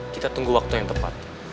kita tunggu waktu yang tepat